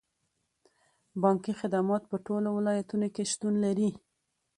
بانکي خدمات په ټولو ولایتونو کې شتون لري.